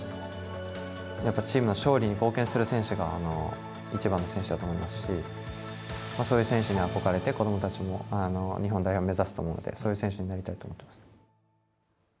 やっぱりチームの勝利に貢献する選手がいちばんの選手だと思いますしそういう選手に憧れて子どもたちも日本代表を目指すと思うのでそういう選手になりたいと思ってます。